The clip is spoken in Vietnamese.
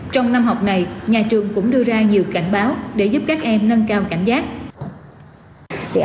trong năm học này nhà trường cũng đưa ra nhiều cảnh báo để giúp các em nâng cao cảnh giác